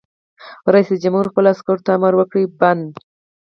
رئیس جمهور خپلو عسکرو ته امر وکړ؛ بند!